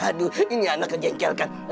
aduh ini anaknya jengkel kan